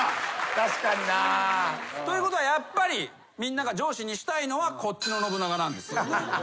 確かにな。ということはやっぱりみんなが上司にしたいのはこっちの信長なんですね。